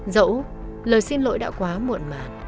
dẫu lời xin lỗi đã quá muộn